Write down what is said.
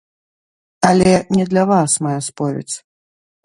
Але не для вас мая споведзь.